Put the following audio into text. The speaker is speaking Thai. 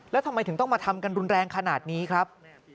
แล้วทำไมถึงต้องมาทำกันรุนแรงขนาดนี้ครับ